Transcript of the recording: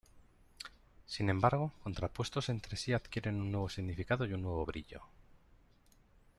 Sin embargo, contrapuestos entre sí adquieren un nuevo significado y un nuevo brillo.